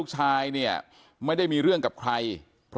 แม่โชคดีนะไม่ถึงตายนะ